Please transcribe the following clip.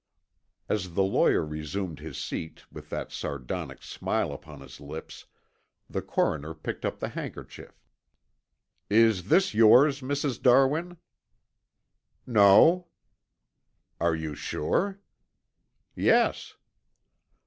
As the lawyer resumed his seat with that sardonic smile upon his lips, the coroner picked up the handkerchief. "Is this yours, Mrs. Darwin?" "No." "Are you sure?" "Yes."